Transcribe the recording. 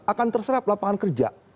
akan terserap lapangan kerja